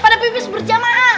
pada pipis berjamaah